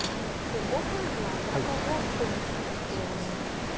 ご飯にアボカド？と思ったんですけれども。